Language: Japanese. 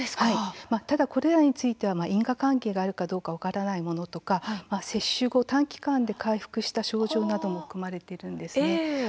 ただ、これらについては因果関係があるかどうか分からないものとか接種後、短期間で回復した症状なども含まれているんですね。